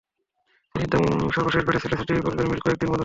চিনির দাম সর্বশেষ বেড়েছিল সিটি গ্রুপের মিল কয়েক দিন বন্ধ থাকায়।